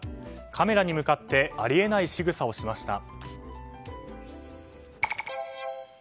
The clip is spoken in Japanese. カメラに向かってあり得ないしぐさをしました。